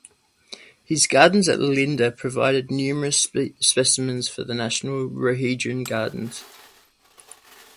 His gardens at Olinda provided numerous specimens for the National Rhododendron Gardens.